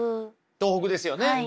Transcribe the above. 東北ですよね。